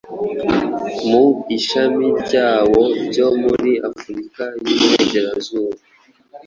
mu ishami ryawo ryo muri Afurika y'uburengerazuba.